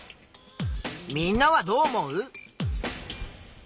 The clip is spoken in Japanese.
みんなはどう思う？